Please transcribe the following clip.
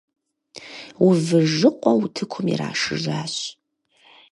Увыжыкъуэ утыкум ирашыжащ.